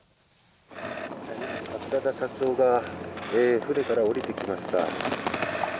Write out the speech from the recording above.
桂田社長が船から降りてきま